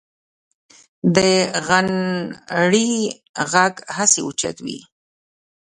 د غنړې غږ هسې اوچت شو.